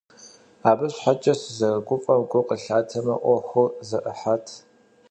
Абы щхьэкӀэ сызэрыгуфӀэм гу къылъатэмэ, Ӏуэхур зэӀыхьат.